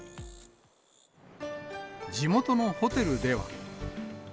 地元のホテルでは。